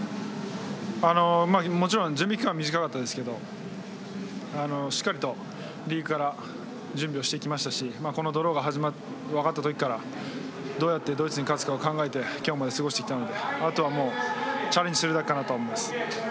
準備期間は短かったですがしっかりとリーグから準備をしてきましたしこのドローが分かった時からどうやってドイツに勝つかを考えて今日まで過ごしてきたのでチャレンジするだけかと思います。